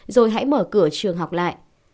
rồi hãy mở cửa trường học lại